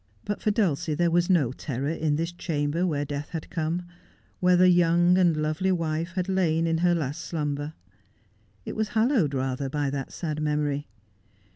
But for Dulcie there was no terror in this chamber where death had come — where the young and lovely wife had lain in her last slumber. It was hallowed rather by that sad memory.